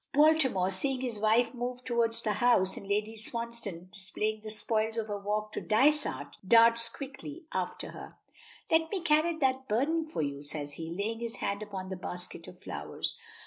Baltimore, seeing his wife move towards the house, and Lady Swansdown displaying the spoils of her walk to Dysart, darts quickly after her. "Let me carry that burden for you," says he, laying his hand upon the basket of flowers.